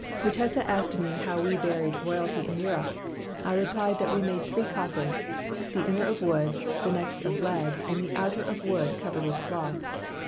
"Mutesa asked me how we buried royalty in Europe? I replied that we made three coffins, the inner of wood, the next of lead, and the outer of wood covered with cloth.